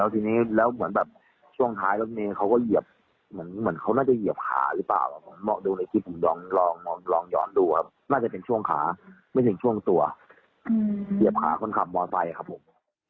ทีนี้แล้วเหมือนแบบช่วงท้ายรถเมย์เขาก็เหยียบเหมือนเขาน่าจะเหยียบขาหรือเปล่าผมมองดูในคลิปผมลองหยอดดูครับน่าจะเป็นช่วงขาไม่ถึงช่วงตัวเหยียบขาคนขับมอไซค์ครับผม